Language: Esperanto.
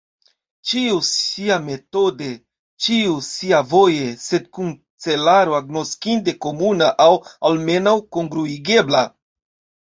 Ĉiu siametode, ĉiu siavoje, sed kun celaro agnoskinde komuna, aŭ almenaŭ kongruigebla.